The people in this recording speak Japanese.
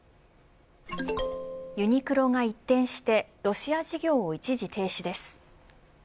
ユニクロが一転してロシア事業を一時停止です。